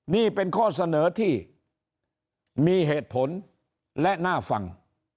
นี่เป็นข้อเสนอที่มีเหตุผลและน่าฟัง